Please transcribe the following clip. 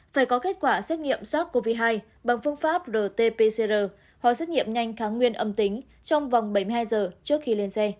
phải có kết quả xét nghiệm sars cov hai bằng phương pháp rt pcr họ xét nghiệm nhanh kháng nguyên âm tính trong vòng bảy mươi hai giờ trước khi lên xe